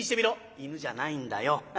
「犬じゃないんだよ」。